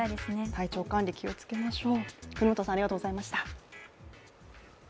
体調管理気をつけましょう。